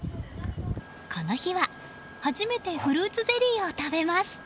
この日は初めてフルーツゼリーを食べます。